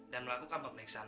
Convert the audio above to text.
dan melakukan pemeliksaan